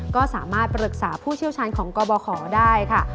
ก็สามารถปรึกษาผู้เชี่ยวชาญของกบขได้ค่ะ